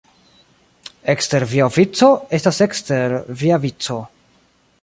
Ekster via ofico estas ekster via vico.